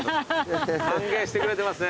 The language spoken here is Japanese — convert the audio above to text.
歓迎してくれてますね。